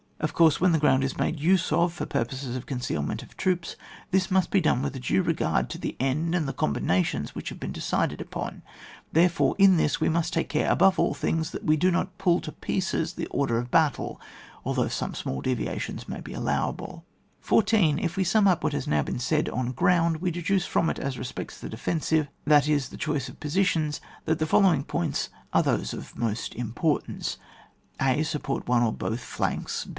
Of course, when the ground is made use of for purposes of concealment of 110 ON WAR. troops, this most be done with a due regud to the end and the combinations which have been decided upon ; therefore, in this we must take care above all things that we do not pull to pieces the order of battle, although some small deviations may be allowable. 14. If we stmi up what has now been said on ground, we deduce from it as respects the defensive, that is the choice of positions, that the following points are Uiose of most importance :— (a) Support of one or botii flanks.